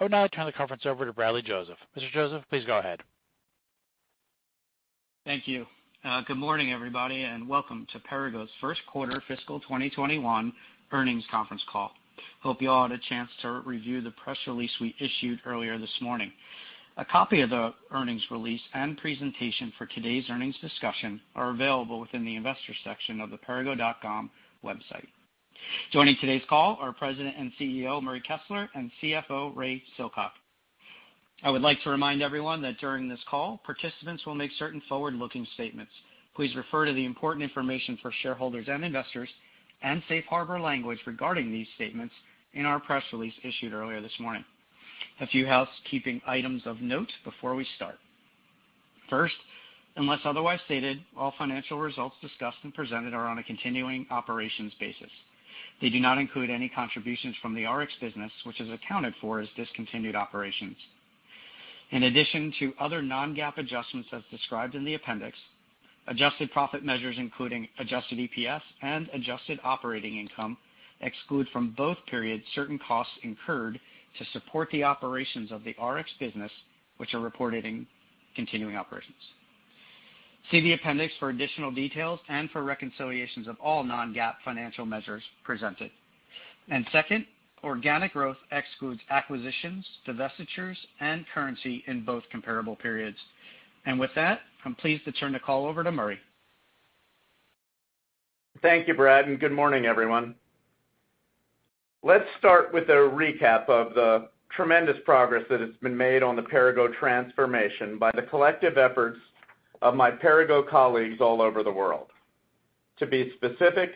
I would now turn the conference over to Bradley Joseph. Mr. Joseph, please go ahead. Thank you. Good morning, everybody, and welcome to Perrigo's First Quarter Fiscal 2021 Earnings Conference Call. Hope you all had a chance to review the press release we issued earlier this morning. A copy of the earnings release and presentation for today's earnings discussion are available within the Investors section of the perrigo.com website. Joining today's call are President and CEO, Murray Kessler, and CFO, Ray Silcock. I would like to remind everyone that during this call, participants will make certain forward-looking statements. Please refer to the important information for shareholders and investors and Safe Harbor language regarding these statements in our press release issued earlier this morning. A few housekeeping items of note before we start. First, unless otherwise stated, all financial results discussed and presented are on a continuing operations basis. They do not include any contributions from the Rx business, which is accounted for as discontinued operations. In addition to other non-GAAP adjustments as described in the appendix, adjusted profit measures including adjusted EPS and adjusted operating income exclude from both periods certain costs incurred to support the operations of the Rx business, which are reported in continuing operations. See the appendix for additional details and for reconciliations of all non-GAAP financial measures presented. Second, organic growth excludes acquisitions, divestitures, and currency in both comparable periods. With that, I'm pleased to turn the call over to Murray. Thank you, Brad, and good morning, everyone. Let's start with a recap of the tremendous progress that has been made on the Perrigo transformation by the collective efforts of my Perrigo colleagues all over the world. To be specific,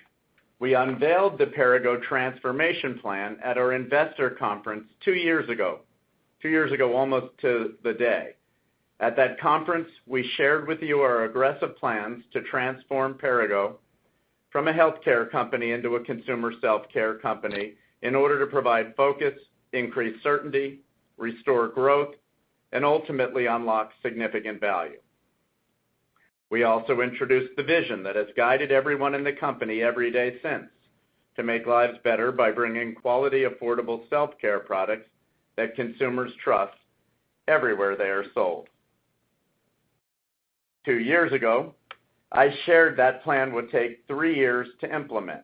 we unveiled the Perrigo transformation plan at our investor conference two years ago, almost to the day. At that conference, we shared with you our aggressive plans to transform Perrigo from a healthcare company into a consumer self-care company in order to provide focus, increase certainty, restore growth, and ultimately unlock significant value. We also introduced the vision that has guided everyone in the company every day since. To make lives better by bringing quality, affordable self-care products that consumers trust everywhere they are sold. Two years ago, I shared that plan would take three years to implement.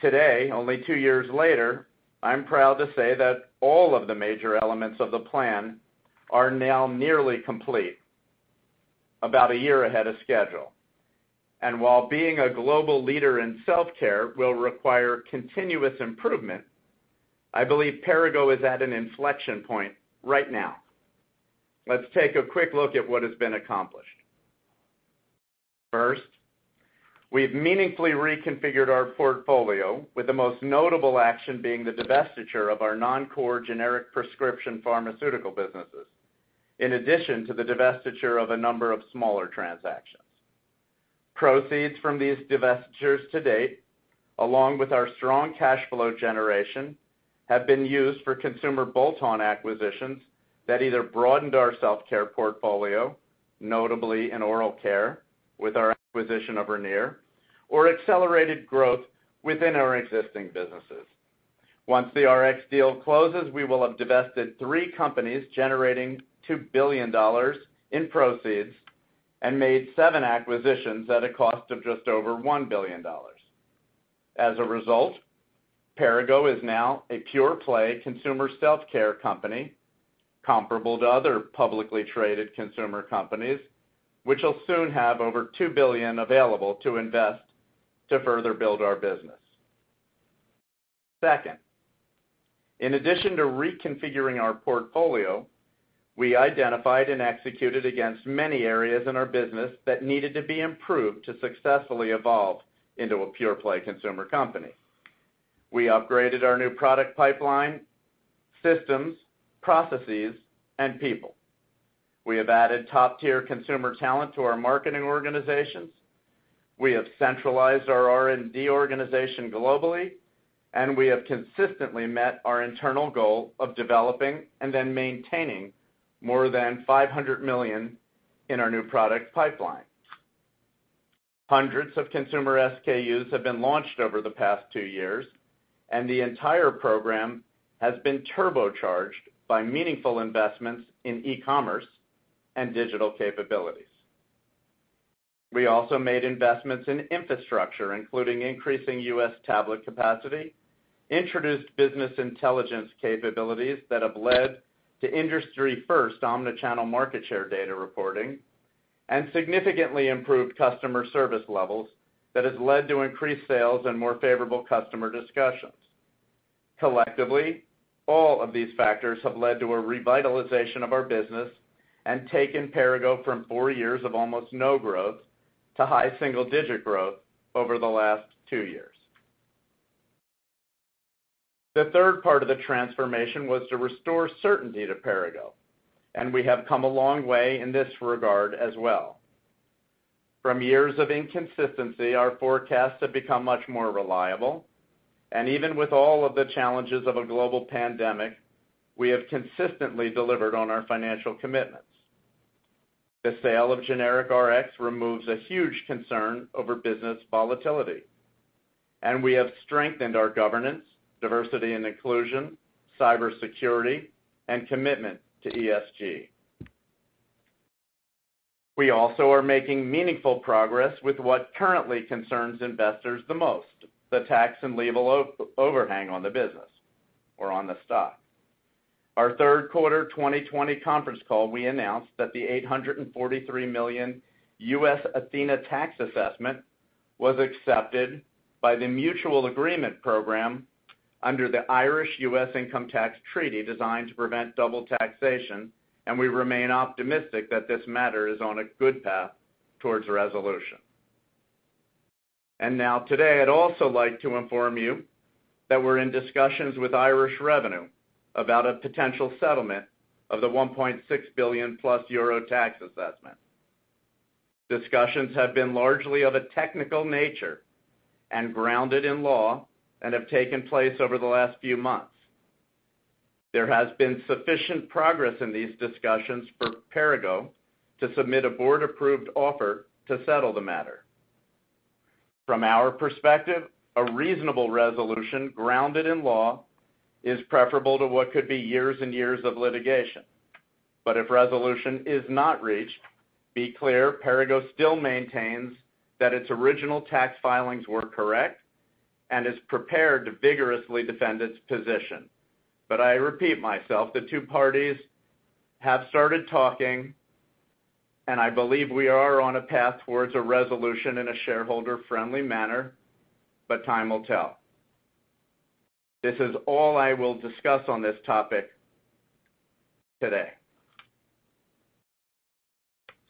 Today, only two years later, I'm proud to say that all of the major elements of the plan are now nearly complete, about one year ahead of schedule. While being a global leader in self-care will require continuous improvement, I believe Perrigo is at an inflection point right now. Let's take a quick look at what has been accomplished. First, we've meaningfully reconfigured our portfolio with the most notable action being the divestiture of our non-core generic prescription pharmaceutical businesses, in addition to the divestiture of a number of smaller transactions. Proceeds from these divestitures to date, along with our strong cash flow generation, have been used for consumer bolt-on acquisitions that either broadened our self-care portfolio, notably in oral care with our acquisition of Ranir, or accelerated growth within our existing businesses. Once the Rx deal closes, we will have divested three companies generating $2 billion in proceeds and made seven acquisitions at a cost of just over $1 billion. As a result, Perrigo is now a pure-play consumer self-care company comparable to other publicly traded consumer companies, which will soon have over $2 billion available to invest to further build our business. Second, in addition to reconfiguring our portfolio, we identified and executed against many areas in our business that needed to be improved to successfully evolve into a pure-play consumer company. We upgraded our new product pipeline, systems, processes, and people. We have added top-tier consumer talent to our marketing organizations. We have centralized our R&D organization globally, and we have consistently met our internal goal of developing and then maintaining more than $500 million in our new product pipeline. Hundreds of consumer SKUs have been launched over the past two years, and the entire program has been turbocharged by meaningful investments in e-commerce and digital capabilities. We also made investments in infrastructure, including increasing U.S. tablet capacity, introduced business intelligence capabilities that have led to industry first omni-channel market share data reporting, and significantly improved customer service levels that has led to increased sales and more favorable customer discussions. Collectively, all of these factors have led to a revitalization of our business and taken Perrigo from four years of almost no growth to high single-digit growth over the last two years. The third part of the transformation was to restore certainty to Perrigo, and we have come a long way in this regard as well. From years of inconsistency, our forecasts have become much more reliable, and even with all of the challenges of a global pandemic, we have consistently delivered on our financial commitments. The sale of Generic Rx removes a huge concern over business volatility, and we have strengthened our governance, diversity and inclusion, cybersecurity, and commitment to ESG. We also are making meaningful progress with what currently concerns investors the most, the tax and legal overhang on the business or on the stock. Our third quarter 2020 conference call, we announced that the $843 million U.S. Athena tax assessment was accepted by the mutual agreement program under the Irish U.S. Income Tax Treaty designed to prevent double taxation, and we remain optimistic that this matter is on a good path towards resolution. Now today, I'd also like to inform you that we're in discussions with Irish Revenue about a potential settlement of the 1.6+ billion euro tax assessment. Discussions have been largely of a technical nature and grounded in law and have taken place over the last few months. There has been sufficient progress in these discussions for Perrigo to submit a board-approved offer to settle the matter. From our perspective, a reasonable resolution grounded in law is preferable to what could be years and years of litigation. If resolution is not reached, be clear Perrigo still maintains that its original tax filings were correct and is prepared to vigorously defend its position. I repeat myself, the two parties have started talking, and I believe we are on a path towards a resolution in a shareholder-friendly manner, but time will tell. This is all I will discuss on this topic today.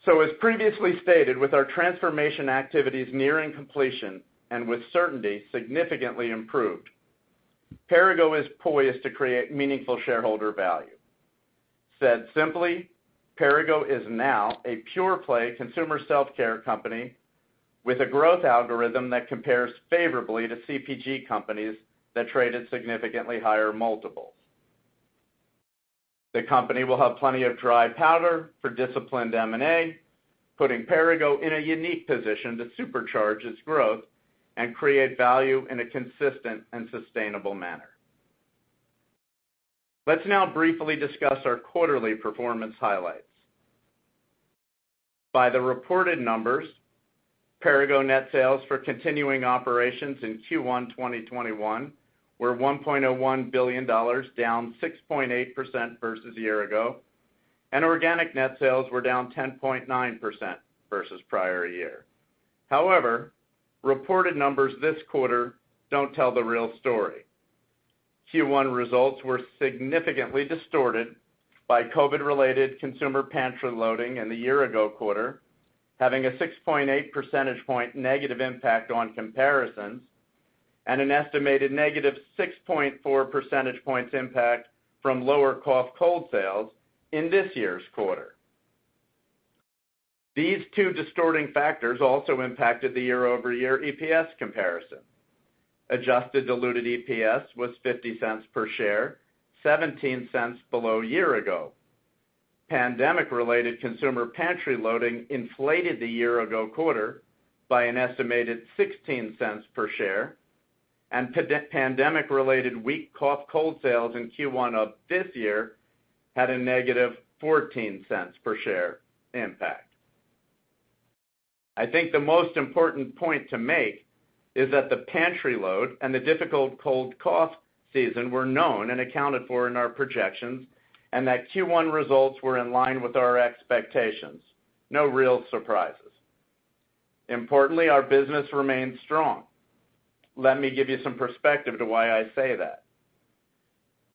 As previously stated, with our transformation activities nearing completion and with certainty significantly improved, Perrigo is poised to create meaningful shareholder value. Said simply, Perrigo is now a pure-play consumer self-care company with a growth algorithm that compares favorably to CPG companies that trade at significantly higher multiples. The company will have plenty of dry powder for disciplined M&A, putting Perrigo in a unique position to supercharge its growth and create value in a consistent and sustainable manner. Let's now briefly discuss our quarterly performance highlights. By the reported numbers, Perrigo net sales for continuing operations in Q1 2021 were $1.01 billion, down 6.8% versus a year ago, and organic net sales were down 10.9% versus prior year. However, reported numbers this quarter don't tell the real story. Q1 results were significantly distorted by COVID-related consumer pantry loading in the year-ago quarter, having a 6.8 percentage point negative impact on comparisons and an estimated -6.4 percentage points impact from lower cough/cold sales in this year's quarter. These two distorting factors also impacted the year-over-year EPS comparison. Adjusted diluted EPS was $0.50 per share, $0.17 below year ago. Pandemic-related consumer pantry loading inflated the year-ago quarter by an estimated $0.16 per share, and pandemic-related weak cough/cold sales in Q1 of this year had a negative $0.14 per share impact. I think the most important point to make is that the pantry load and the difficult cold/cough season were known and accounted for in our projections, and that Q1 results were in line with our expectations. No real surprises. Importantly, our business remains strong. Let me give you some perspective to why I say that.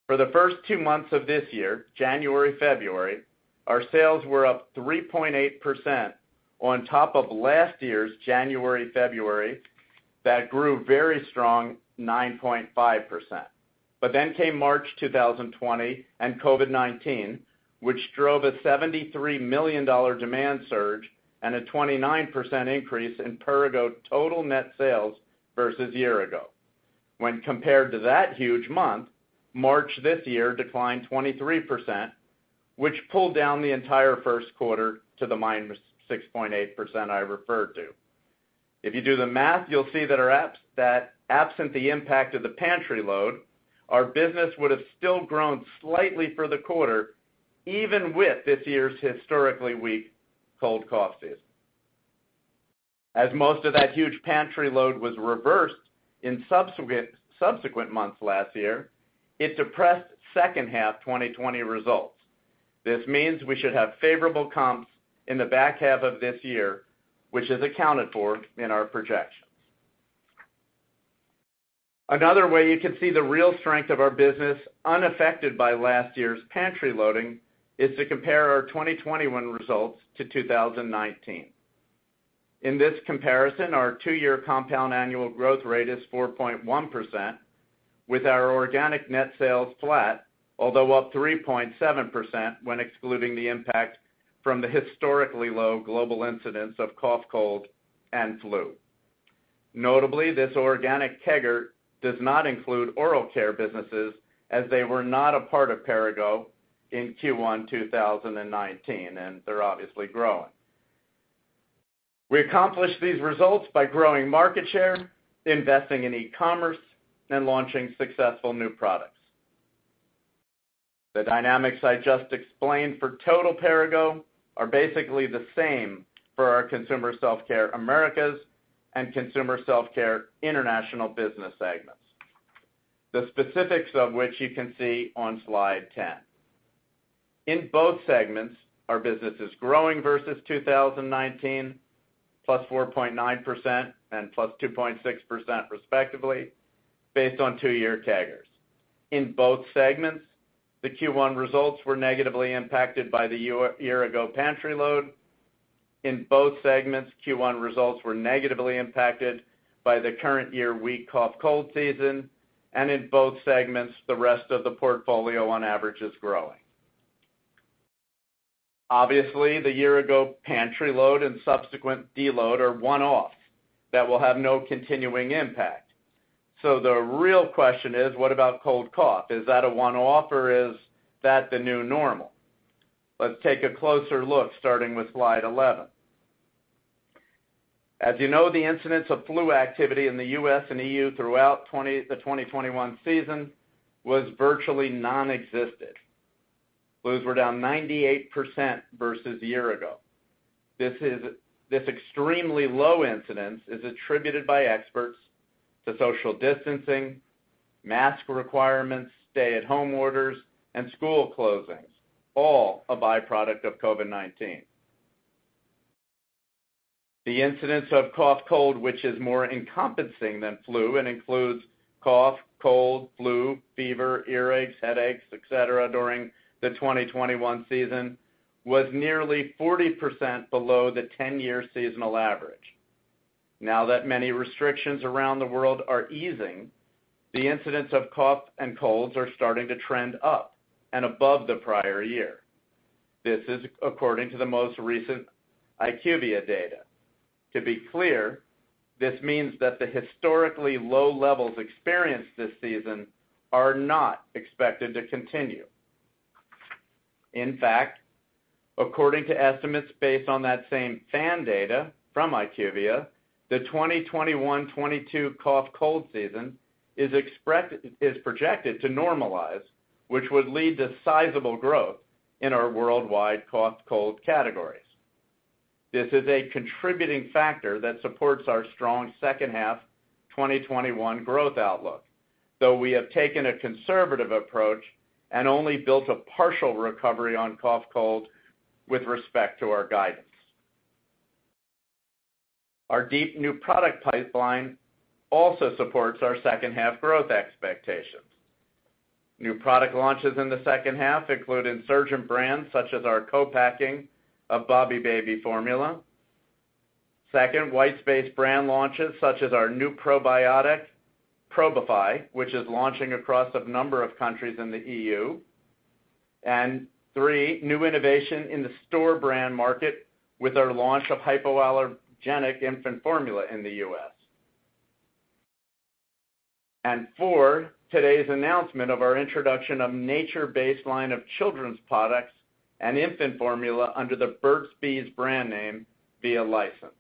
For the first two months of this year, January, February, our sales were up 3.8% on top of last year's January, February, that grew a very strong 9.5%. March 2020 and COVID-19, which drove a $73 million demand surge and a 29% increase in Perrigo total net sales versus year ago. When compared to that huge month, March this year declined 23%, which pulled down the entire first quarter to the -6.8% I referred to. If you do the math, you'll see that absent the impact of the pantry load, our business would have still grown slightly for the quarter, even with this year's historically weak cold-cough season. As most of that huge pantry load was reversed in subsequent months last year, it depressed second half 2020 results. This means we should have favorable comps in the back half of this year, which is accounted for in our projections. Another way you can see the real strength of our business unaffected by last year's pantry loading is to compare our 2021 results to 2019. In this comparison, our two-year compound annual growth rate is 4.1%, with our organic net sales flat, although up 3.7% when excluding the impact from the historically low global incidents of cough, cold, and flu. Notably, this organic CAGR does not include oral care businesses as they were not a part of Perrigo in Q1 2019, they're obviously growing. We accomplished these results by growing market share, investing in e-commerce, and launching successful new products. The dynamics I just explained for total Perrigo are basically the same for our Consumer Self-Care Americas and Consumer Self-Care International business segments. The specifics of which you can see on slide 10. In both segments, our business is growing versus 2019, +4.9% and +2.6% respectively, based on two-year CAGRs. In both segments, the Q1 results were negatively impacted by the year-ago pantry load. In both segments, Q1 results were negatively impacted by the current year weak cough, cold season, and in both segments, the rest of the portfolio on average is growing. Obviously, the year-ago pantry load and subsequent deload are one-offs that will have no continuing impact. The real question is, what about cough, cold? Is that a one-off or is that the new normal? Let's take a closer look, starting with slide 11. As you know, the incidence of flu activity in the U.S. and EU throughout the 2021 season was virtually non-existent. Flus were down 98% versus year-ago. This extremely low incidence is attributed by experts to social distancing, mask requirements, stay at home orders, and school closings, all a byproduct of COVID-19. The incidence of cough, cold, which is more encompassing than flu and includes cough, cold, flu, fever, earaches, headaches, et cetera, during the 2021 season, was nearly 40% below the 10-year seasonal average. Now that many restrictions around the world are easing, the incidence of cough and colds are starting to trend up and above the prior year. This is according to the most recent IQVIA data. To be clear, this means that the historically low levels experienced this season are not expected to continue. In fact, according to estimates based on that same FAN data from IQVIA, the 2021-2022 cough, cold season is projected to normalize, which would lead to sizable growth in our worldwide cough cold categories. This is a contributing factor that supports our strong second half 2021 growth outlook. Though we have taken a conservative approach and only built a partial recovery on cough, cold with respect to our guidance. Our deep new product pipeline also supports our second half growth expectations. New product launches in the second half include insurgent brands such as our co-packing of Bobbie infant formula. Second, white space brand launches such as our new probiotic, Probify, which is launching across a number of countries in the EU. Three, new innovation in the store brand market with our launch of hypoallergenic infant formula in the U.S. Four, today's announcement of our introduction of nature-based line of children's products and infant formula under the Burt's Bees brand name via license.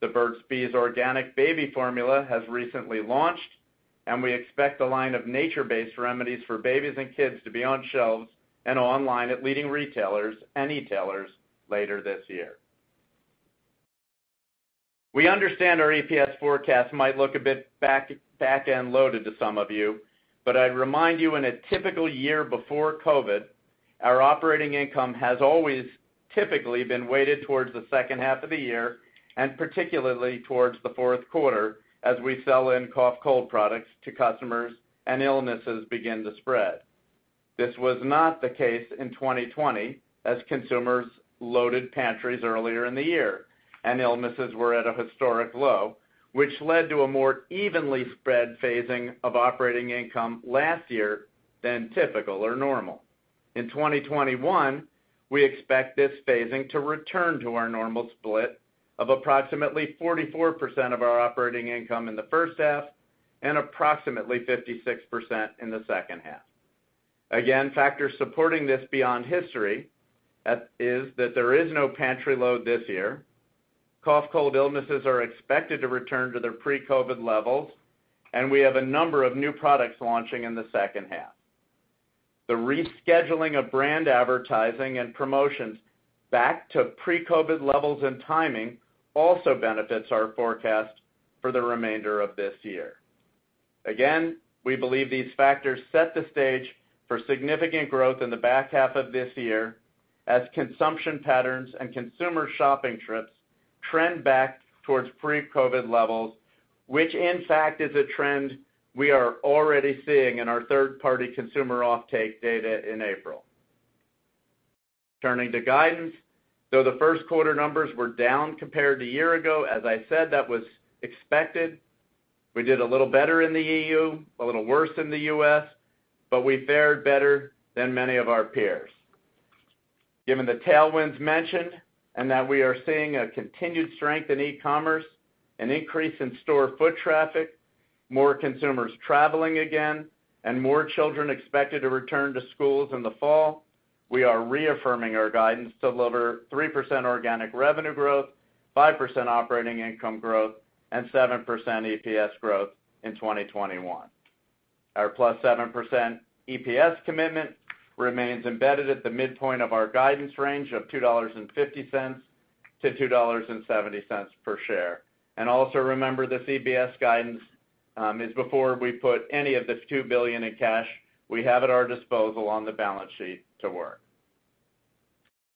The Burt's Bees organic baby formula has recently launched, we expect the line of nature-based remedies for babies and kids to be on shelves and online at leading retailers and e-tailers later this year. We understand our EPS forecast might look a bit back-end loaded to some of you, I'd remind you, in a typical year before COVID-19, our operating income has always typically been weighted towards the second half of the year, and particularly towards the fourth quarter as we sell in cough, cold products to customers and illnesses begin to spread. This was not the case in 2020 as consumers loaded pantries earlier in the year and illnesses were at a historic low, which led to a more evenly spread phasing of operating income last year than typical or normal. In 2021, we expect this phasing to return to our normal split of approximately 44% of our operating income in the first half and approximately 56% in the second half. Again, factors supporting this beyond history is that there is no pantry load this year. Cough, cold illnesses are expected to return to their pre-COVID-19 levels, and we have a number of new products launching in the second half. The rescheduling of brand advertising and promotions back to pre-COVID-19 levels and timing also benefits our forecast for the remainder of this year. Again, we believe these factors set the stage for significant growth in the back half of this year as consumption patterns and consumer shopping trips trend back towards pre-COVID-19 levels, which in fact is a trend we are already seeing in our third-party consumer offtake data in April. Turning to guidance. Though the first quarter numbers were down compared to year ago, as I said, that was expected. We did a little better in the EU, a little worse in the U.S., we fared better than many of our peers. Given the tailwinds mentioned and that we are seeing a continued strength in e-commerce, an increase in store foot traffic, more consumers traveling again, and more children expected to return to schools in the fall, we are reaffirming our guidance to deliver 3% organic revenue growth, 5% operating income growth, and 7% EPS growth in 2021. Our plus 7% EPS commitment remains embedded at the midpoint of our guidance range of $2.50-$2.70 per share. Also remember, this EPS guidance is before we put any of this $2 billion in cash we have at our disposal on the balance sheet to work.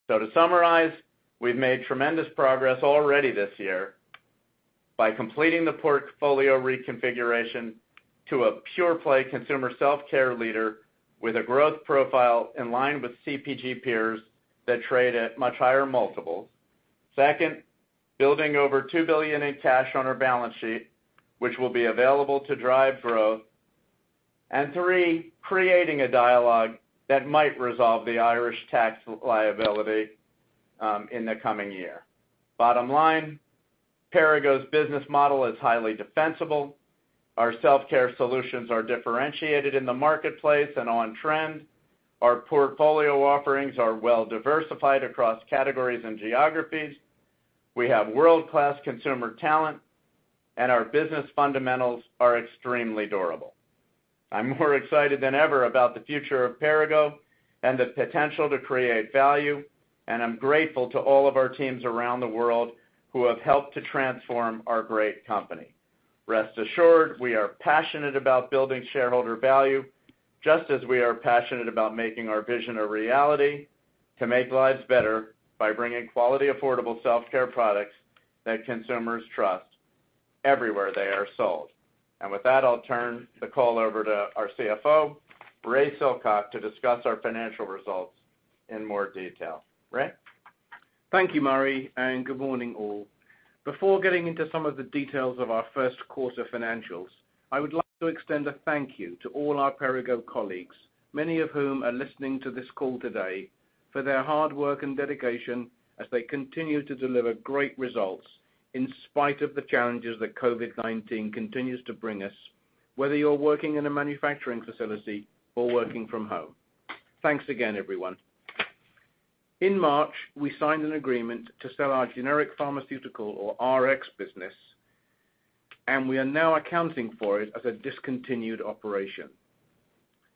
To summarize, we've made tremendous progress already this year by completing the portfolio reconfiguration to a pure play consumer self-care leader with a growth profile in line with CPG peers that trade at much higher multiples. Second, building over $2 billion in cash on our balance sheet, which will be available to drive growth. Three, creating a dialogue that might resolve the Irish tax liability in the coming year. Bottom line, Perrigo's business model is highly defensible. Our self-care solutions are differentiated in the marketplace and on trend. Our portfolio offerings are well diversified across categories and geographies. We have world-class consumer talent, and our business fundamentals are extremely durable. I'm more excited than ever about the future of Perrigo and the potential to create value, and I'm grateful to all of our teams around the world who have helped to transform our great company. Rest assured, we are passionate about building shareholder value just as we are passionate about making our vision a reality to make lives better by bringing quality, affordable self-care products that consumers trust everywhere they are sold. With that, I'll turn the call over to our CFO, Ray Silcock, to discuss our financial results in more detail. Ray? Thank you, Murray. Good morning, all. Before getting into some of the details of our first quarter financials, I would like to extend a thank you to all our Perrigo colleagues, many of whom are listening to this call today, for their hard work and dedication as they continue to deliver great results in spite of the challenges that COVID-19 continues to bring us, whether you're working in a manufacturing facility or working from home. Thanks again, everyone. In March, we signed an agreement to sell our generic pharmaceutical, or Rx business, and we are now accounting for it as a discontinued operation.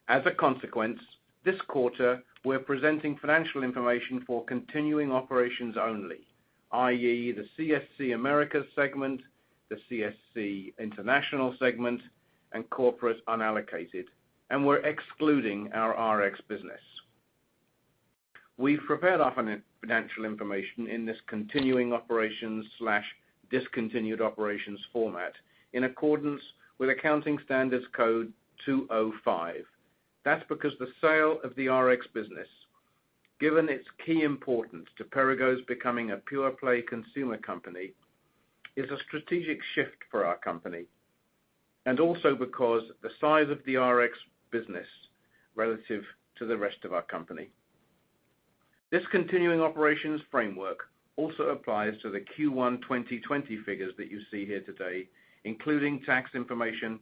As a consequence, this quarter, we're presenting financial information for continuing operations only, i.e., the CSC Americas segment, the CSC International segment, and corporate unallocated, and we're excluding our Rx business. We've prepared our financial information in this continuing operations/discontinued operations format in accordance with Accounting Standards Codification 205. That's because the sale of the Generic Rx business, given its key importance to Perrigo's becoming a pure play consumer company, is a strategic shift for our company. Also because the size of the Generic Rx business relative to the rest of our company. This continuing operations framework also applies to the Q1 2020 figures that you see here today, including tax information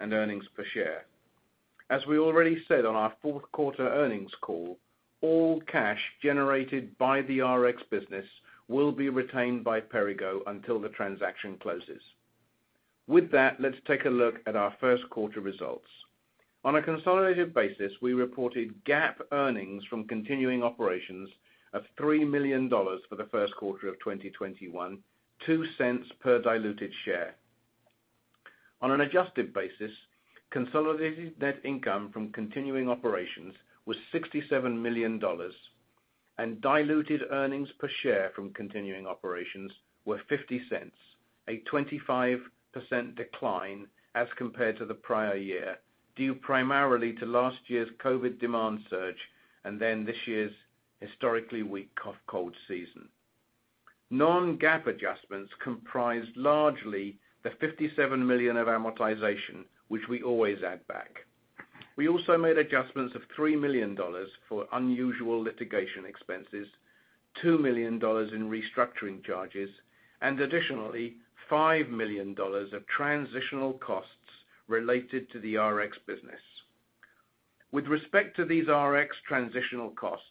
and earnings per share. As we already said on our fourth quarter earnings call, all cash generated by the Generic Rx business will be retained by Perrigo until the transaction closes. With that, let's take a look at our first quarter results. On a consolidated basis, we reported GAAP earnings from continuing operations of $3 million for the first quarter of 2021, $0.02 per diluted share. On an adjusted basis, consolidated net income from continuing operations was $67 million, and diluted earnings per share from continuing operations were $0.50, a 25% decline as compared to the prior year, due primarily to last year's COVID demand surge and then this year's historically weak cough-cold season. Non-GAAP adjustments comprised largely the $57 million of amortization, which we always add back. We also made adjustments of $3 million for unusual litigation expenses, $2 million in restructuring charges, and additionally, $5 million of transitional costs related to the Rx business. With respect to these Rx transitional costs,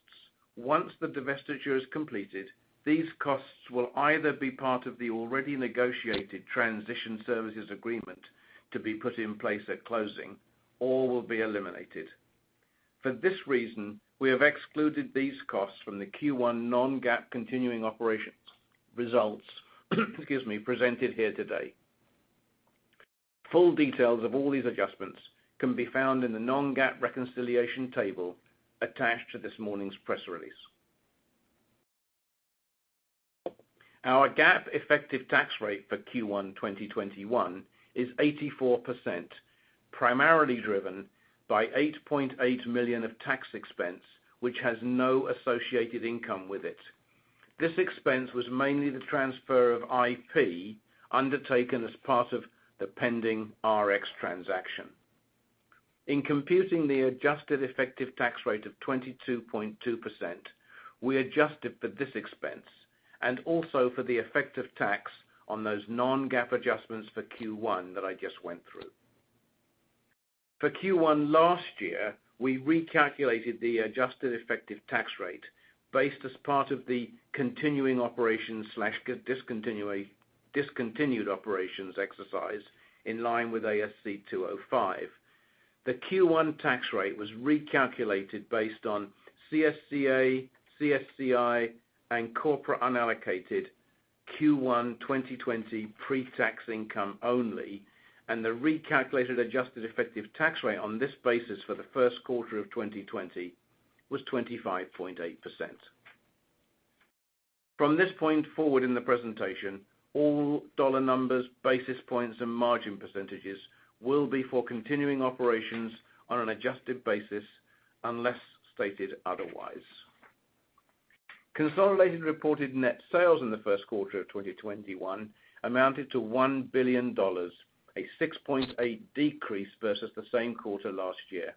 once the divestiture is completed, these costs will either be part of the already negotiated transition services agreement to be put in place at closing or will be eliminated. For this reason, we have excluded these costs from the Q1 non-GAAP continuing operations results, excuse me, presented here today. Full details of all these adjustments can be found in the non-GAAP reconciliation table attached to this morning's press release. Our GAAP effective tax rate for Q1 2021 is 84%, primarily driven by $8.8 million of tax expense, which has no associated income with it. This expense was mainly the transfer of IP undertaken as part of the pending Generic Rx transaction. In computing the adjusted effective tax rate of 22.2%, we adjusted for this expense and also for the effective tax on those non-GAAP adjustments for Q1 that I just went through. For Q1 last year, we recalculated the adjusted effective tax rate based as part of the continuing operations/discontinued operations exercise in line with ASC 205. The Q1 tax rate was recalculated based on CSCA, CSCI, and corporate unallocated Q1 2020 pre-tax income only, and the recalculated adjusted effective tax rate on this basis for the first quarter of 2020 was 25.8%. From this point forward in the presentation, all dollar numbers, basis points, and margin percentages will be for continuing operations on an adjusted basis unless stated otherwise. Consolidated reported net sales in the first quarter of 2021 amounted to $1 billion, a 6.8% decrease versus the same quarter last year.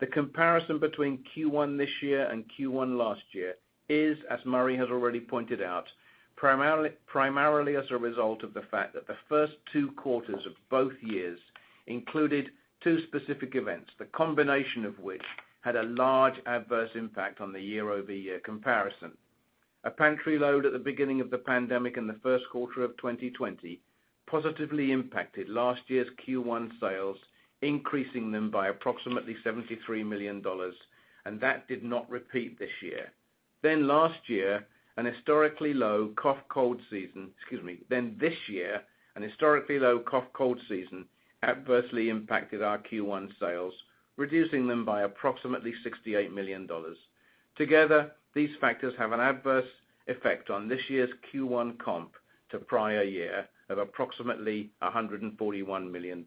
The comparison between Q1 this year and Q1 last year is, as Murray has already pointed out, primarily as a result of the fact that the first two quarters of both years included two specific events, the combination of which had a large adverse impact on the year-over-year comparison. A pantry load at the beginning of the pandemic in the first quarter of 2020 positively impacted last year's Q1 sales, increasing them by approximately $73 million, that did not repeat this year. This year, an historically low cough/cold season adversely impacted our Q1 sales, reducing them by approximately $68 million. Together, these factors have an adverse effect on this year's Q1 comp to prior year of approximately $141 million.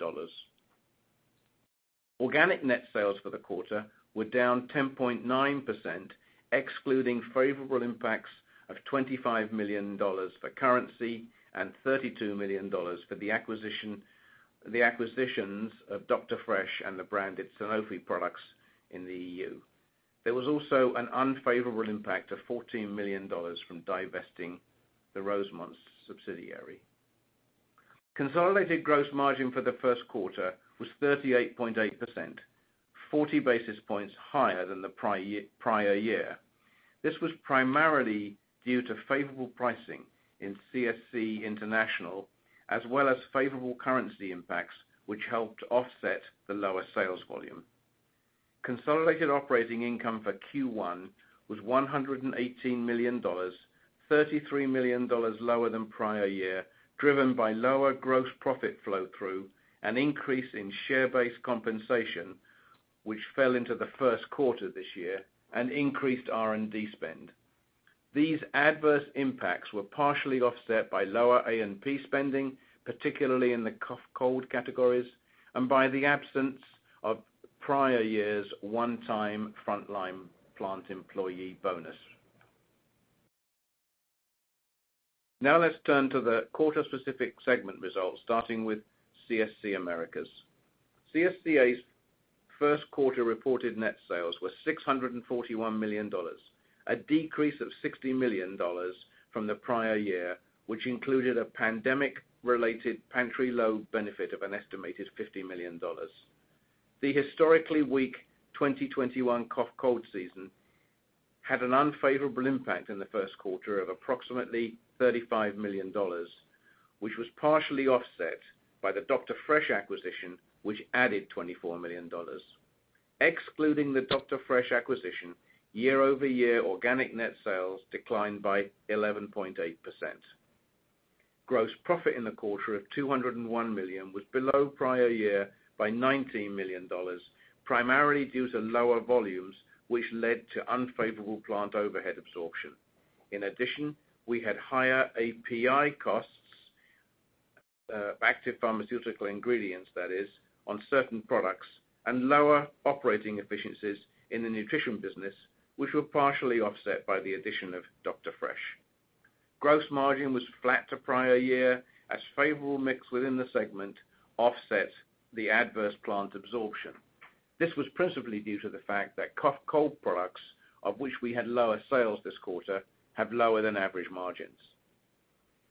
Organic net sales for the quarter were down 10.9%, excluding favorable impacts of $25 million for currency and $32 million for the acquisitions of Dr. Fresh and the branded Sanofi products in the EU. There was also an unfavorable impact of $14 million from divesting the Rosemont subsidiary. Consolidated gross margin for the first quarter was 38.8%, 40 basis points higher than the prior year. This was primarily due to favorable pricing in CSC International, as well as favorable currency impacts, which helped offset the lower sales volume. Consolidated operating income for Q1 was $118 million, $33 million lower than prior year, driven by lower gross profit flow through, an increase in share-based compensation, which fell into the first quarter this year, and increased R&D spend. These adverse impacts were partially offset by lower A&P spending, particularly in the cough/cold categories, and by the absence of prior year's one-time frontline plant employee bonus. Let's turn to the quarter specific segment results, starting with CSC Americas. CSCA's first quarter reported net sales were $641 million, a decrease of $60 million from the prior year, which included a pandemic related pantry load benefit of an estimated $50 million. The historically weak 2021 cough/cold season had an unfavorable impact in the first quarter of approximately $35 million, which was partially offset by the Dr. Fresh acquisition, which added $24 million. Excluding the Dr. Fresh acquisition, year-over-year organic net sales declined by 11.8%. Gross profit in the quarter of $201 million was below prior year by $19 million, primarily due to lower volumes, which led to unfavorable plant overhead absorption. In addition, we had higher API costs, active pharmaceutical ingredients, that is, on certain products and lower operating efficiencies in the nutrition business, which were partially offset by the addition of Dr. Fresh. Gross margin was flat to prior year as favorable mix within the segment offset the adverse plant absorption. This was principally due to the fact that cough/cold products, of which we had lower sales this quarter, have lower than average margins.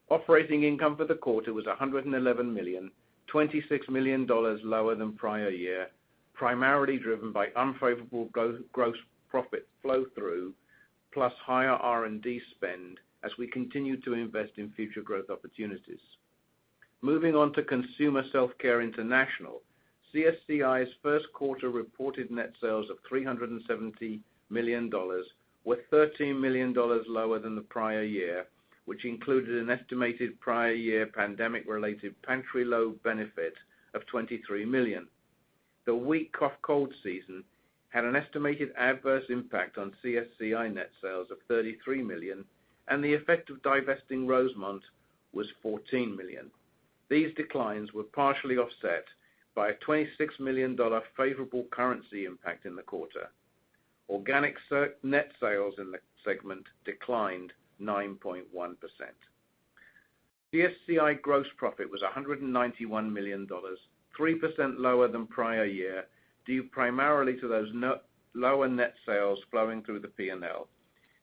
Operating income for the quarter was $111 million, $26 million lower than prior year, primarily driven by unfavorable gross profit flow through, plus higher R&D spend as we continue to invest in future growth opportunities. Moving on to Consumer Self-Care International. CSCI's first quarter reported net sales of $370 million, were $13 million lower than the prior year, which included an estimated prior year pandemic related pantry load benefit of $23 million. The weak cough/cold season had an estimated adverse impact on CSCI net sales of $33 million, and the effect of divesting Rosemont was $14 million. These declines were partially offset by a $26 million favorable currency impact in the quarter. Organic net sales in the segment declined 9.1%. CSCI gross profit was $191 million, 3% lower than prior year, due primarily to those lower net sales flowing through the P&L.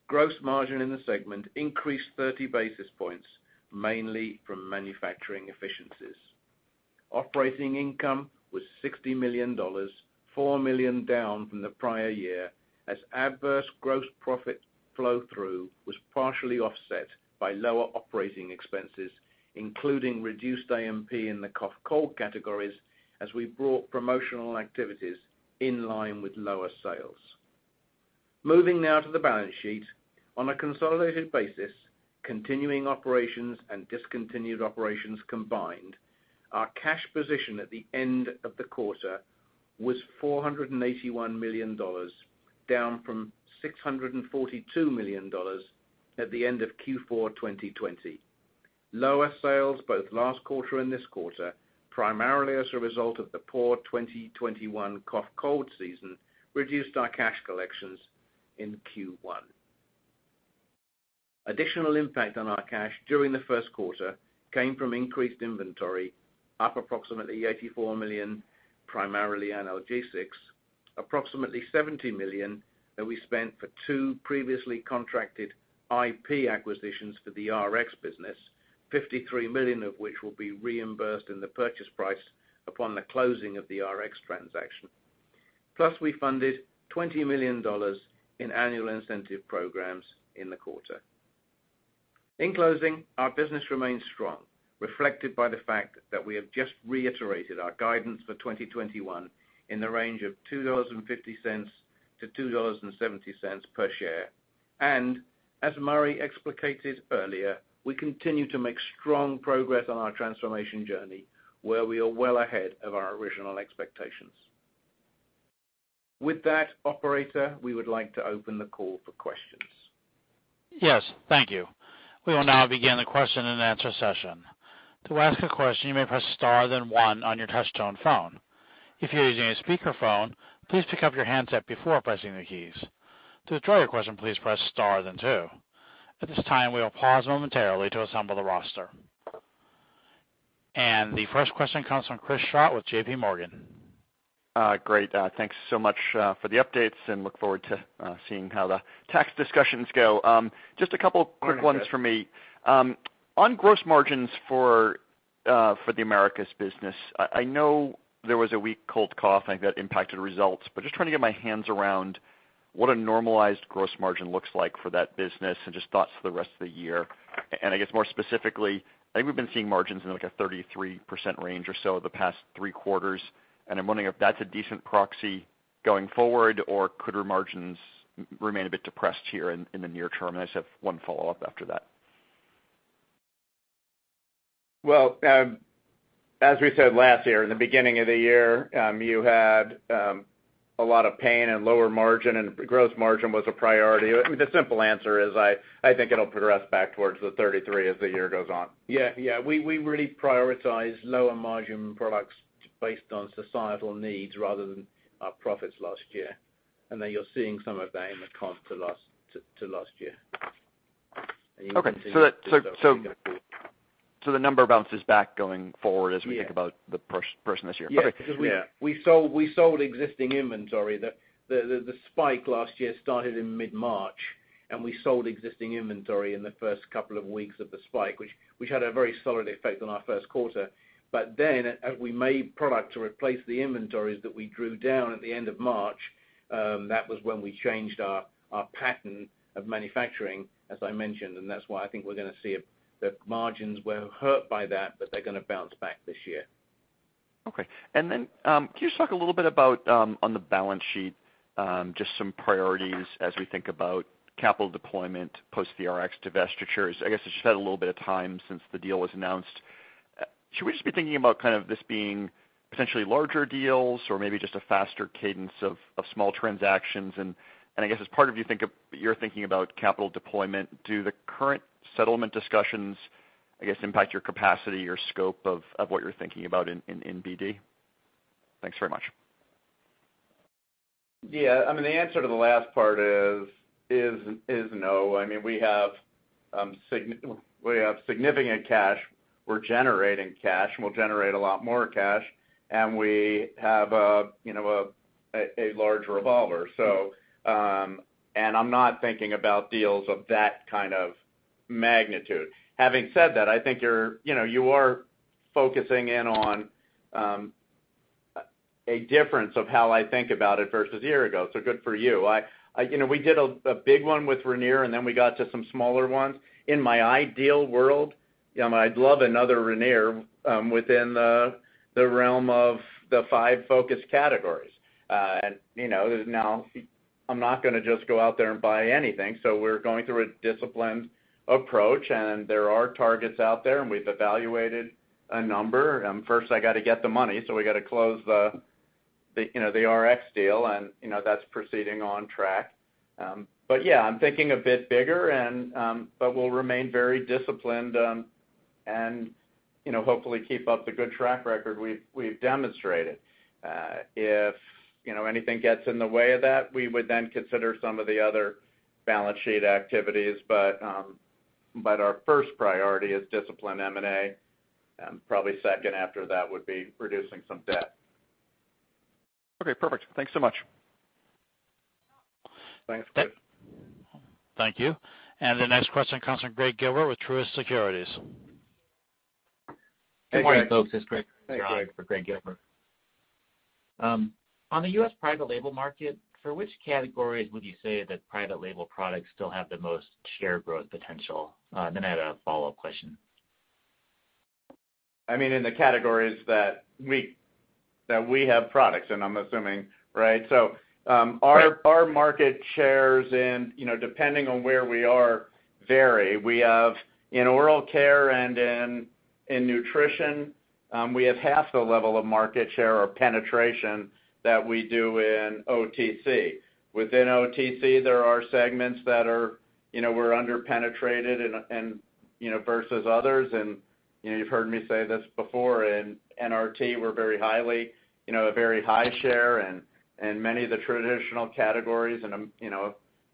Gross margin in the segment increased 30 basis points, mainly from manufacturing efficiencies. Operating income was $60 million, $4 million down from the prior year, as adverse gross profit flow-through was partially offset by lower operating expenses, including reduced A&P in the cough, cold categories as we brought promotional activities in line with lower sales. Moving now to the balance sheet. On a consolidated basis, continuing operations and discontinued operations combined, our cash position at the end of the quarter was $481 million, down from $642 million at the end of Q4 2020. Lower sales both last quarter and this quarter, primarily as a result of the poor 2021 cough, cold season reduced our cash collections in Q1. Additional impact on our cash during the first quarter came from increased inventory up approximately $84 million, primarily analgesics. Approximately $70 million that we spent for two previously contracted IP acquisitions for the Rx business, $53 million of which will be reimbursed in the purchase price upon the closing of the Rx transaction. Plus, we funded $20 million in annual incentive programs in the quarter. In closing, our business remains strong, reflected by the fact that we have just reiterated our guidance for 2021 in the range of $2.50-$2.70 per share. As Murray explicated earlier, we continue to make strong progress on our transformation journey, where we are well ahead of our original expectations. With that, operator, we would like to open the call for questions. Yes. Thank you. We will now begin the question and answer session. The first question comes from Chris Schott with JPMorgan. Great. Thanks so much for the updates and look forward to seeing how the tax discussions go. Just a couple quick ones from me. On gross margins for the Americas business, I know there was a weak cold, cough, I think that impacted results, but just trying to get my hands around what a normalized gross margin looks like for that business and just thoughts for the rest of the year. I guess more specifically, I think we've been seeing margins in like a 33% range or so the past three quarters, and I'm wondering if that's a decent proxy going forward or could our margins remain a bit depressed here in the near term? I just have one follow-up after that. Well, as we said last year, in the beginning of the year, you had a lot of pain and lower margin and gross margin was a priority. I mean, the simple answer is I think it'll progress back towards the 33% as the year goes on. Yeah. We really prioritize lower margin products based on societal needs rather than our profits last year. You're seeing some of that in the comp to last year. Okay. The number bounces back going forward as we think about the Perrigo this year. Okay. Yeah. We sold existing inventory. The spike last year started in mid-March, and we sold existing inventory in the first couple of weeks of the spike, which had a very solid effect on our first quarter. Then as we made product to replace the inventories that we drew down at the end of March, that was when we changed our pattern of manufacturing, as I mentioned. That's why I think we're going to see the margins were hurt by that, but they're going to bounce back this year. Okay. Can you just talk a little bit about, on the balance sheet, just some priorities as we think about capital deployment post the Rx divestitures? I guess it's had a little bit of time since the deal was announced. Should we just be thinking about this being potentially larger deals or maybe just a faster cadence of small transactions? I guess as part of your thinking about capital deployment, do the current settlement discussions, I guess, impact your capacity or scope of what you're thinking about in BD? Thanks very much. Yeah. I mean, the answer to the last part is no. We have significant cash. We're generating cash, and we'll generate a lot more cash, and we have a large revolver. I'm not thinking about deals of that kind of magnitude. Having said that, I think you are focusing in on a difference of how I think about it versus a year ago, so good for you. We did a big one with Ranir, and then we got to some smaller ones. In my ideal world, I'd love another Ranir within the realm of the five focus categories. Now I'm not going to just go out there and buy anything. We're going through a disciplined approach, and there are targets out there, and we've evaluated a number. First I got to get the money, we got to close the Generic Rx deal, and that's proceeding on track. Yeah, I'm thinking a bit bigger, but we'll remain very disciplined, and hopefully keep up the good track record we've demonstrated. If anything gets in the way of that, we would then consider some of the other balance sheet activities. Our first priority is discipline M&A, probably second after that would be reducing some debt. Okay, perfect. Thanks so much. Thanks, Chris. Thank you. The next question comes from Gregg Gilbert with Truist Securities. Hey, Gregg. Good morning, folks. This is Gregg. Hey, Gregg. Gregg Gilbert. On the U.S. private label market, for which categories would you say that private label products still have the most share growth potential? Then I had a follow-up question. In the categories that we have products in, I'm assuming, right? Right Our market shares in, depending on where we are, vary. In oral care and in nutrition, we have half the level of market share or penetration that we do in OTC. Within OTC, there are segments that we're under-penetrated in versus others. You've heard me say this before, in NRT, we're a very high share in many of the traditional categories, in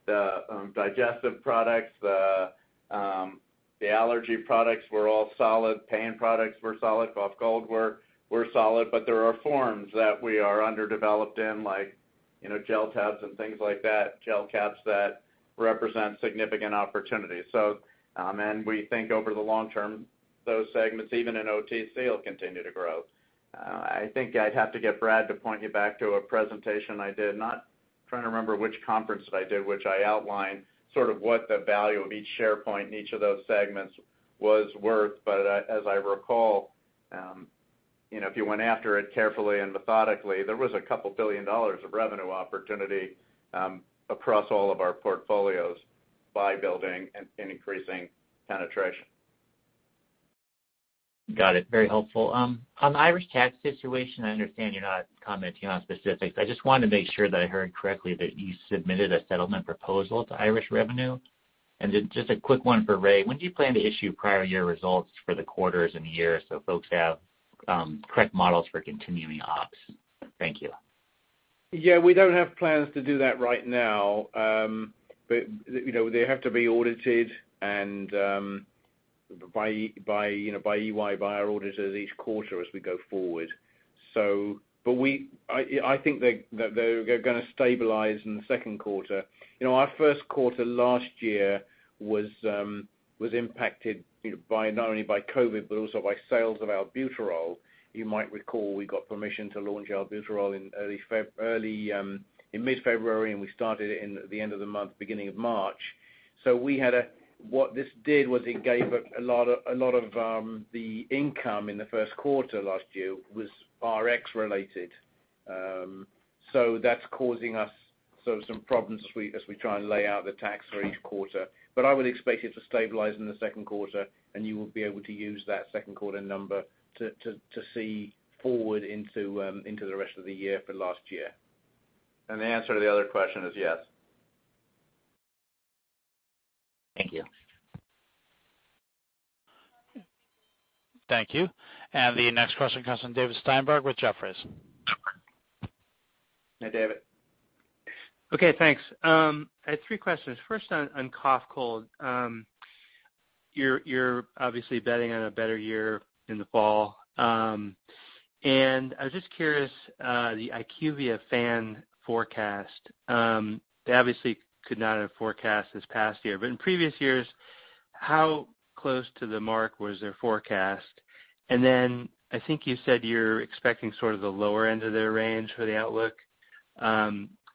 the digestive products, the allergy products, we're all solid. Pain products, we're solid. Cough, cold, we're solid. There are forms that we are underdeveloped in, like gel tabs and things like that, gel caps, that represent significant opportunities. We think over the long term, those segments, even in OTC, will continue to grow. I think I'd have to get Brad to point you back to a presentation I did. I'm trying to remember which conference it was that I outlined what the value of each share point in each of those segments was worth. As I recall, if you went after it carefully and methodically, there was a couple billion dollars of revenue opportunity across all of our portfolios by building and increasing penetration. Got it. Very helpful. On the Irish tax situation, I understand you're not commenting on specifics. I just wanted to make sure that I heard correctly that you submitted a settlement proposal to Irish Revenue. Then just a quick one for Ray. When do you plan to issue prior year results for the quarters and the year so folks have correct models for continuing ops? Thank you. Yeah, we don't have plans to do that right now. They have to be audited by EY, by our auditors, each quarter as we go forward. I think that they're going to stabilize in the second quarter. Our first quarter last year was impacted not only by COVID, but also by sales of albuterol. You might recall, we got permission to launch albuterol in mid-February, and we started it in the end of the month, beginning of March. What this did was it gave a lot of the income in the first quarter last year, was Rx-related. That's causing us some problems as we try and lay out the tax for each quarter. I would expect it to stabilize in the second quarter, and you will be able to use that second quarter number to see forward into the rest of the year for last year. The answer to the other question is yes. Thank you. Thank you. The next question comes from David Steinberg with Jefferies. Hi, David. Okay, thanks. I had three questions. First, on cough cold. You're obviously betting on a better year in the fall. I was just curious, the IQVIA FAN forecast, they obviously could not have forecast this past year, but in previous years, how close to the mark was their forecast? I think you said you're expecting sort of the lower end of their range for the outlook.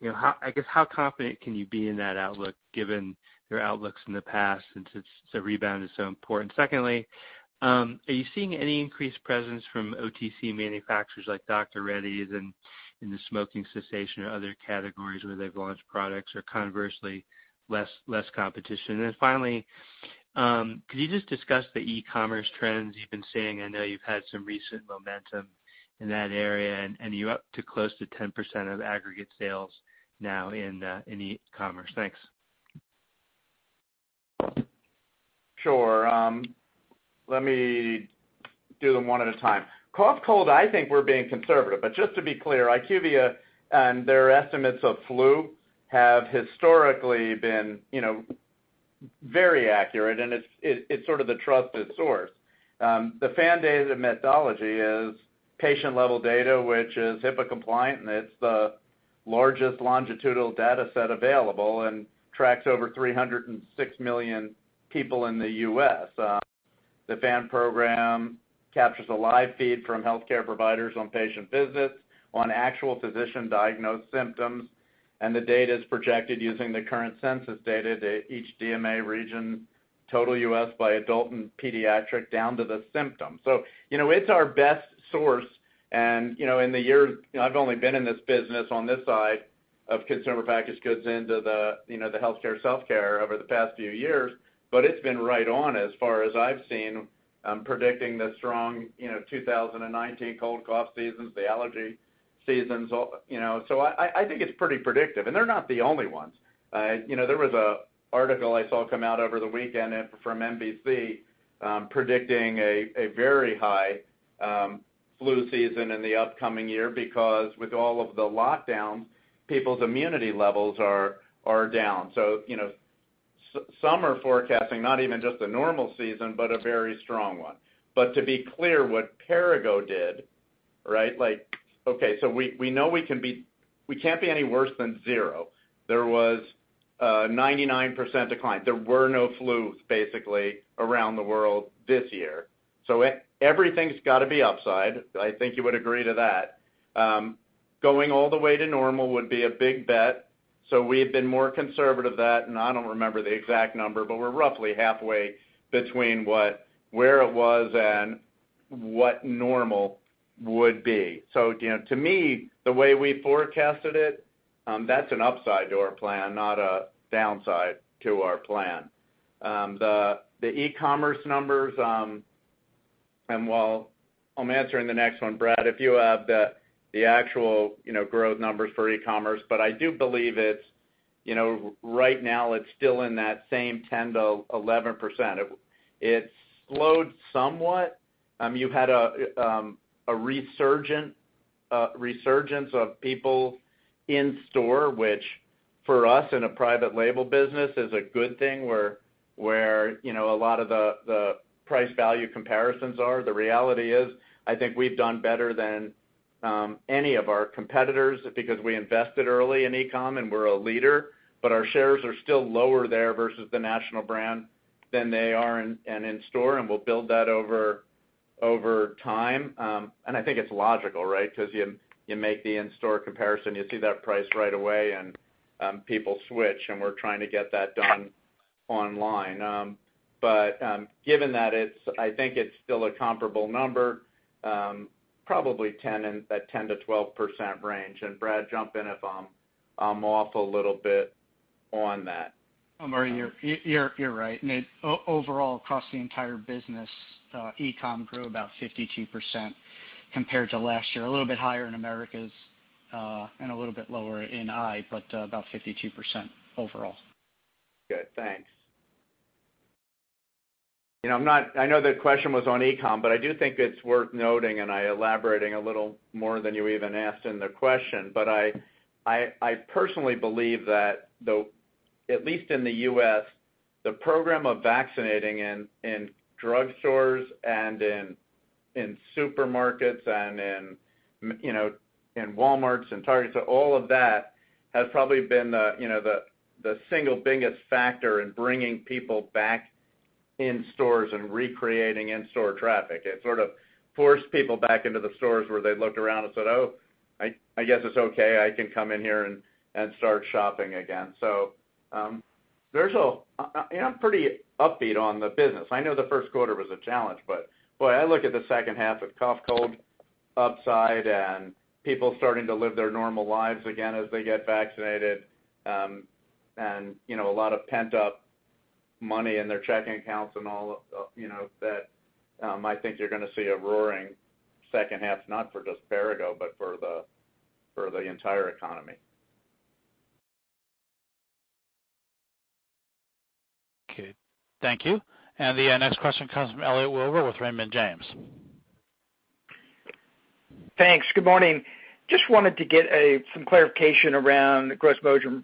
How confident can you be in that outlook given their outlooks in the past, since the rebound is so important? Secondly, are you seeing any increased presence from OTC manufacturers like Dr. Reddy's in the smoking cessation or other categories where they've launched products, or conversely, less competition? Finally, could you just discuss the e-commerce trends you've been seeing? I know you've had some recent momentum in that area, and you're up to close to 10% of aggregate sales now in e-commerce. Thanks. Sure. Let me do them one at a time. Cough/cold, I think we're being conservative. Just to be clear, IQVIA and their estimates of flu have historically been very accurate, and it's sort of the trusted source. The PHAN data methodology is patient-level data, which is HIPAA compliant, and it's the largest longitudinal data set available and tracks over 306 million people in the U.S. The PHAN program captures a live feed from healthcare providers on patient visits, on actual physician diagnosed symptoms. The data is projected using the current census data to each DMA region, total U.S. by adult and pediatric, down to the symptom. It's our best source. In the years, I've only been in this business on this side of consumer packaged goods into the healthcare self-care over the past few years, but it's been right on as far as I've seen, predicting the strong 2019 cold/cough seasons, the allergy seasons. I think it's pretty predictive, and they're not the only ones. There was an article I saw come out over the weekend from NBC, predicting a very high flu season in the upcoming year because with all of the lockdowns, people's immunity levels are down. Some are forecasting not even just a normal season, but a very strong one. To be clear, what Perrigo did, we know we can't be any worse than zero. There was a 99% decline. There were no flus, basically, around the world this year. Everything's got to be upside. I think you would agree to that. Going all the way to normal would be a big bet, so we've been more conservative that, and I don't remember the exact number, but we're roughly halfway between where it was and what normal would be. To me, the way we forecasted it, that's an upside to our plan, not a downside to our plan. The e-commerce numbers, and I'm answering the next one, Brad, if you have the actual growth numbers for e-commerce, but I do believe right now it's still in that same 10%-11%. It slowed somewhat. You had a resurgence of people in store, which for us in a private label business is a good thing where a lot of the price value comparisons are. The reality is, I think we've done better than any of our competitors because we invested early in e-com and we're a leader, but our shares are still lower there versus the national brand than they are in in-store, and we'll build that over time. I think it's logical. Because you make the in-store comparison, you see that price right away and people switch, and we're trying to get that done online. Given that, I think it's still a comparable number, probably 10%-12% range, and Brad, jump in if I'm off a little bit on that. Murray, you're right. Overall, across the entire business, e-com grew about 52% compared to last year. A little bit higher in Americas, and a little bit lower in I, but about 52% overall. Good, thanks. I know the question was on e-com, but I do think it's worth noting and elaborating a little more than you even asked in the question, but I personally believe that, at least in the U.S., the program of vaccinating in drugstores and in supermarkets and in Walmarts and Targets and all of that, has probably been the single biggest factor in bringing people back in stores and recreating in-store traffic. It sort of forced people back into the stores where they looked around and said, "Oh, I guess it's okay. I can come in here and start shopping again." I'm pretty upbeat on the business. I know the first quarter was a challenge, but, boy, I look at the second half of cough/cold upside and people starting to live their normal lives again as they get vaccinated. A lot of pent-up money in their checking accounts and all of that. I think you're going to see a roaring second half, not for just Perrigo, but for the entire economy. Okay, thank you. The next question comes from Elliot Wilbur with Raymond James. Thanks. Good morning. Just wanted to get some clarification around gross margin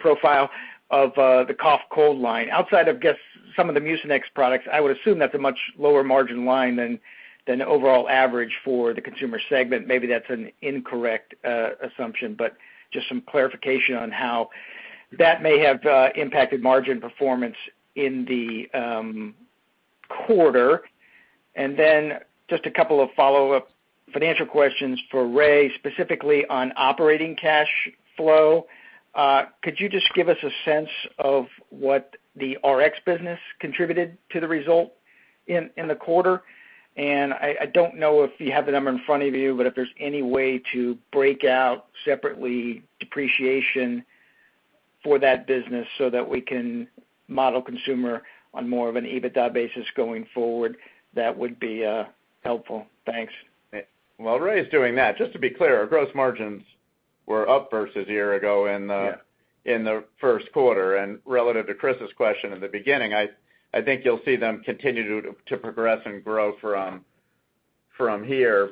profile of the cough cold line. Outside of, I guess, some of the Mucinex products, I would assume that's a much lower margin line than the overall average for the consumer segment. Maybe that's an incorrect assumption, but just some clarification on how that may have impacted margin performance in the quarter. Just a couple of follow-up financial questions for Ray, specifically on operating cash flow. Could you just give us a sense of what the Rx business contributed to the result in the quarter? I don't know if you have the number in front of you, but if there's any way to break out separately depreciation for that business so that we can model consumer on more of an EBITDA basis going forward, that would be helpful. Thanks. While Ray's doing that, just to be clear, our gross margins were up versus a year ago in the first quarter. Relative to Chris's question in the beginning, I think you'll see them continue to progress and grow from here.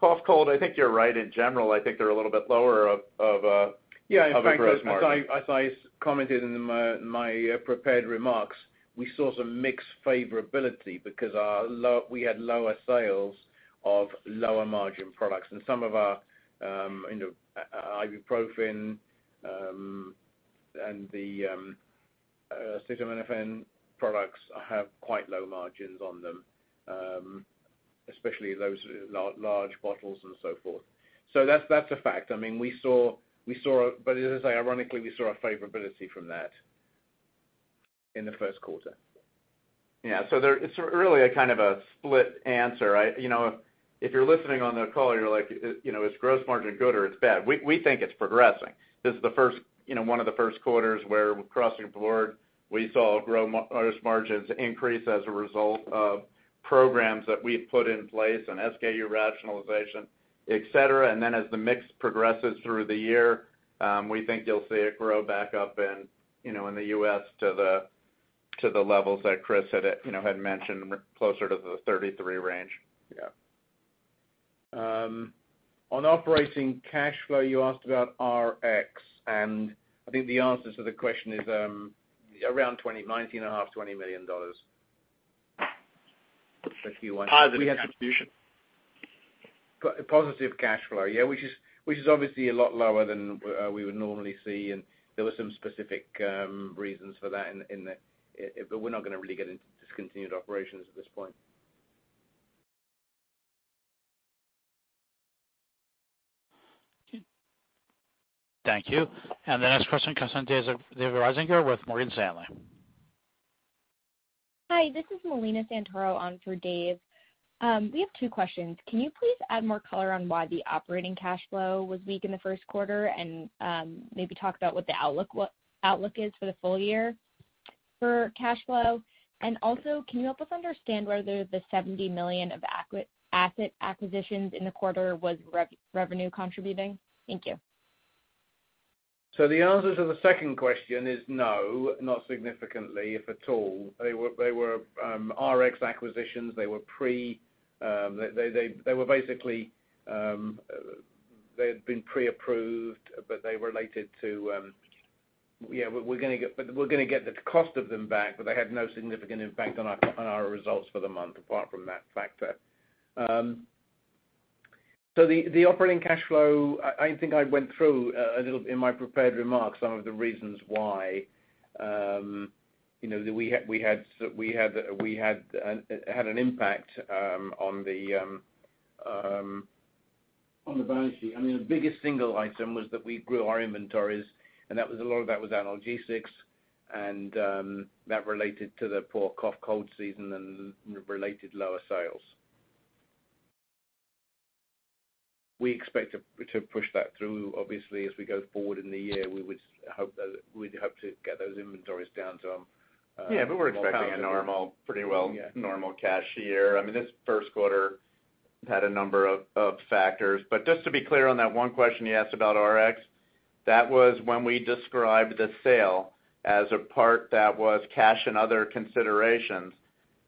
Cough, cold, I think you're right. In general, I think they're a little bit lower of a gross margin. Yeah, in fact, as I commented in my prepared remarks, we saw some mix favorability because we had lower sales of lower margin products and some of our ibuprofen and the cetirizine HCl products have quite low margins on them, especially those large bottles and so forth. That's a fact. As I say, ironically, we saw a favorability from that in the first quarter. It's really a kind of a split answer, right? If you're listening on the call and you're like, "Is gross margin good or it's bad?" We think it's progressing. This is one of the first quarters where, crossing the board, we saw gross margins increase as a result of programs that we've put in place and SKU rationalization, et cetera. As the mix progresses through the year, we think you'll see it grow back up in the U.S. to the levels that Chris had mentioned, closer to the 33 range. On operating cash flow, you asked about Rx, and I think the answer to the question is around $19.5 million-$20 million. Positive contribution. Positive cash flow, yeah. Which is obviously a lot lower than we would normally see, and there were some specific reasons for that, but we're not going to really get into discontinued operations at this point. Okay. Thank you. The next question comes from Dave Risinger with Morgan Stanley. Hi, this is Melina Santoro on for Dave. We have two questions. Can you please add more color on why the operating cash flow was weak in the first quarter, and maybe talk about what the outlook is for the full year for cash flow? Also, can you help us understand whether the $70 million of asset acquisitions in the quarter was revenue contributing? Thank you. The answer to the second question is no, not significantly, if at all. They were Rx acquisitions. They had been pre-approved. We're going to get the cost of them back, but they had no significant impact on our results for the month apart from that factor. The operating cash flow, I think I went through a little in my prepared remarks some of the reasons why it had an impact on the balance sheet. The biggest single item was that we grew our inventories, and a lot of that was analgesics, and that related to the poor cough, cold season and related lower sales. We expect to push that through, obviously, as we go forward in the year. We'd hope to get those inventories down to a more palatable- Yeah. We're expecting a pretty well normal cash year. This first quarter had a number of factors. Just to be clear on that one question you asked about Rx, that was when we described the sale as a part that was cash and other considerations.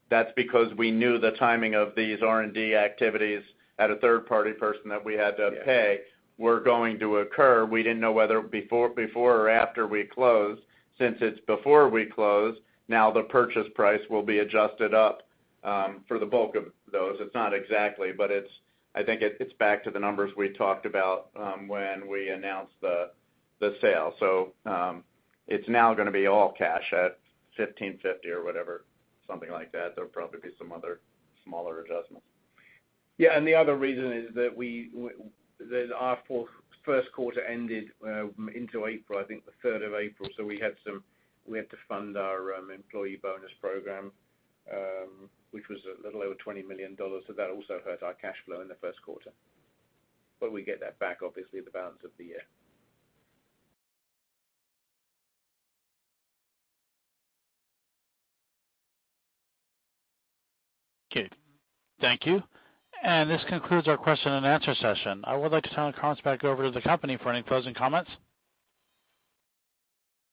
That's because we knew the timing of these R&D activities at a third-party person that we had to pay were going to occur. We didn't know whether before or after we closed. Since it's before we closed, now the purchase price will be adjusted up for the bulk of those. It's not exactly, but I think it's back to the numbers we talked about when we announced the sale. It's now going to be all cash at $1,550 or whatever. Something like that. There'll probably be some other smaller adjustments. Yeah, the other reason is that our first quarter ended into April, I think the 3rd of April, we had to fund our employee bonus program, which was a little over $20 million. That also hurt our cash flow in the first quarter. We get that back, obviously, the balance of the year. Okay. Thank you. This concludes our question and answer session. I would like to turn the conference back over to the company for any closing comments.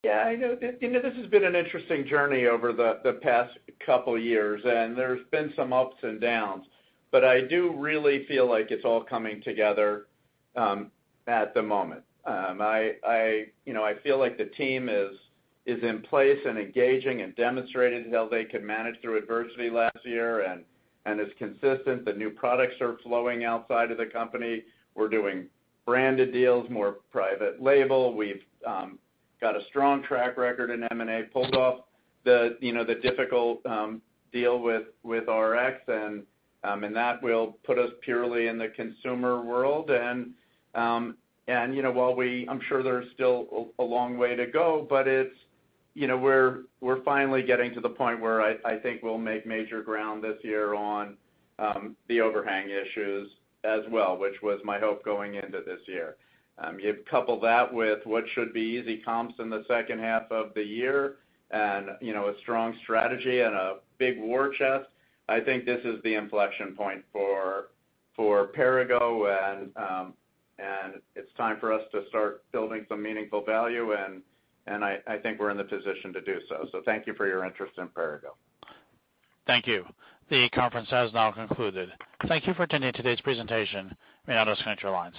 Yeah. This has been an interesting journey over the past couple years, and there's been some ups and downs. I do really feel like it's all coming together at the moment. I feel like the team is in place and engaging and demonstrated how they could manage through adversity last year and is consistent. The new products are flowing outside of the company. We're doing branded deals, more private label. We've got a strong track record in M&A, pulled off the difficult deal with Rx, and that will put us purely in the consumer world. While I'm sure there's still a long way to go, but we're finally getting to the point where I think we'll make major ground this year on the overhang issues as well, which was my hope going into this year. You couple that with what should be easy comps in the second half of the year and a strong strategy and a big war chest, I think this is the inflection point for Perrigo, and it's time for us to start building some meaningful value, and I think we're in the position to do so. Thank you for your interest in Perrigo. Thank you. The conference has now concluded. Thank you for attending today's presentation. You may now disconnect your lines.